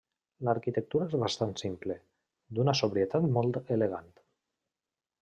L'arquitectura és bastant simple, d'una sobrietat molt elegant.